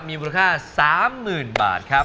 มีมูลค่า๓๐๐๐บาทครับ